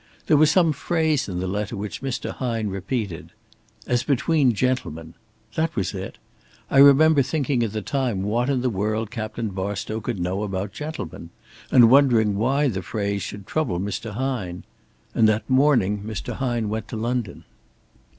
There was some phrase in the letter which Mr. Hine repeated. 'As between gentlemen' that was it! I remember thinking at the time what in the world Captain Barstow could know about gentlemen; and wondering why the phrase should trouble Mr. Hine. And that morning Mr. Hine went to London."